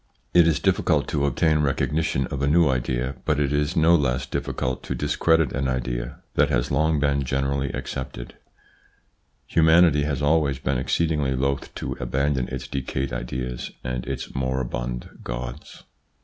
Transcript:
It is difficult to obtain recognition for a new idea, but it is no less difficult to discredit an idea that has xiii xiv INTRODUCTION long been generally accepted. Humanity has always been exceedingly loth to abandon its decayed ideas and its moribund gods.